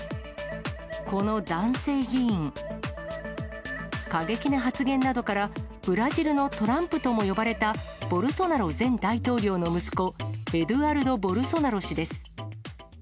この男性議員、過激な発言などから、ブラジルのトランプとも呼ばれたボルソナロ前大統領の息子、エドゥアルド・ボルソナロ氏です。